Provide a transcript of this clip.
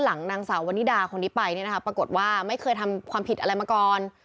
หลังนางสาววนิดาคนนี้ไปปรากฏว่าไม่เคยทำความผิดอะไรมาก่อน